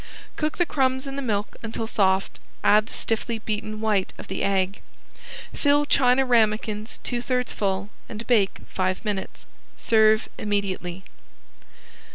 Cook the crumbs in the milk until soft, add the stiffly beaten white of the egg. Fill china ramekins two thirds full and bake five minutes. Serve immediately.